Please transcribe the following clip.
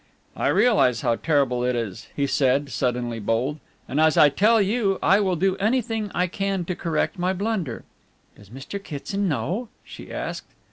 "I realize how terrible it is," he said, suddenly bold, "and as I tell you, I will do everything I can to correct my blunder." "Does Mr. Kitson know?" she asked.